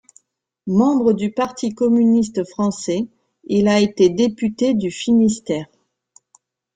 Membre du Parti communiste français, il a été député du Finistère.